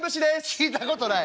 「聞いたことない！